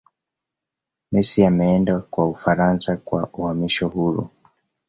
messi ameenda kwa ufaransa kwa uhamisho huru